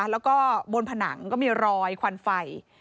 แล้วก็บนผนังก็มีรอยควันไฟ